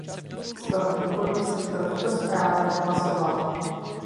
Z toho důvodu jsem pro tuto zprávu nehlasoval.